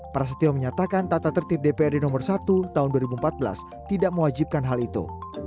prasetyo menyatakan tata tertib dprd nomor satu tahun dua ribu empat belas tidak mewajibkan hal itu